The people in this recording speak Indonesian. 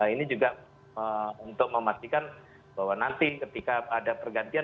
ini juga untuk memastikan bahwa nanti ketika ada pergantian